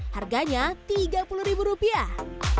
harganya tiga puluh rupiah